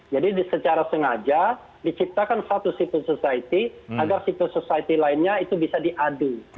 jadi secara sengaja diciptakan satu civil society agar civil society lainnya itu bisa diadu